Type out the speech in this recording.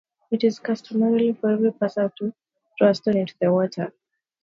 It is customary for every passerby to throw a stone into the water.